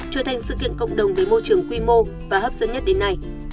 trở thành sự kiện cộng đồng với môi trường quy mô và hấp dẫn nhất đến nay